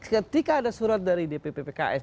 ketika ada surat dari dpp pks